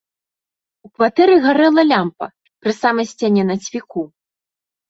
У кватэры гарэла лямпа, пры самай сцяне на цвіку.